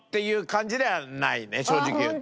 正直言うと。